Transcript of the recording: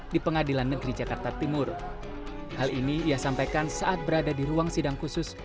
di pengadilan negeri jakarta timur hal ini ia sampaikan saat berada di ruang sidang khusus